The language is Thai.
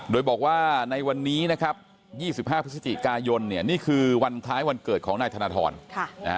โดยบอกว่าในวันนี้๒๕พฤษจิกายนนี่คือวันท้ายวันเกิดของนายถนธรณ์